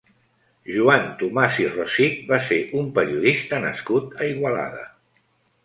Joan Tomàs i Rossich va ser un periodista nascut a Igualada.